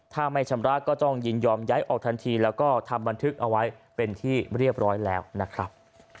ถ้าไม่ชำระก็ต้องยินยอมย้ายออกทันทีแล้วก็ทำบันทึกเอาไว้เป็นที่เรียบร้อยแล้วนะครับ